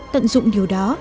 tận dụng điều đó